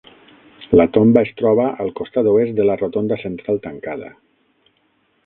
La tomba es troba al costat oest de la rotonda central tancada.